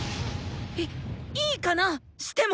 いっいいかな⁉しても！